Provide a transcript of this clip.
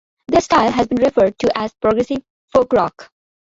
Their style has been referred to as progressive folk-rock.